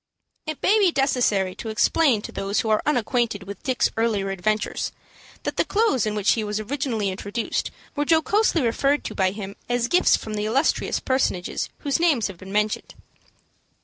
It may be necessary to explain to those who are unacquainted with Dick's earlier adventures, that the clothes in which he was originally introduced were jocosely referred to by him as gifts from the illustrious personages whose names have been mentioned.